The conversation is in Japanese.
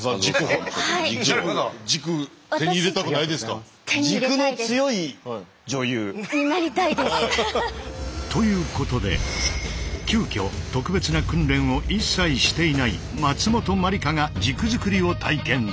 松本さん軸を。ということで急きょ特別な訓練を一切していない松本まりかが軸づくりを体験する。